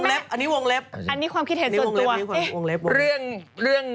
อันนี้วงเล็บ